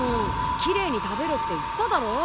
奇麗に食べろって言っただろ。